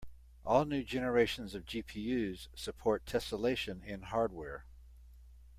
All new generations of GPUs support tesselation in hardware.